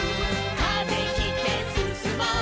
「風切ってすすもう」